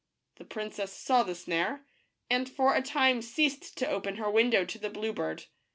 The princess saw the snare, and for a time ceased to open her window to the blue bird.